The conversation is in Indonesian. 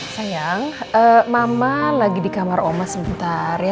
sayang mama lagi di kamar omah sebentar ya